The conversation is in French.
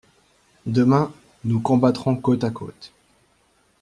Demain, nous combattrons côte à côte.